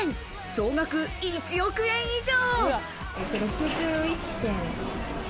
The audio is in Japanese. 総額１億円以上。